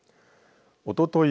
おととい